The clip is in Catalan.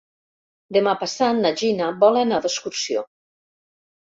Demà passat na Gina vol anar d'excursió.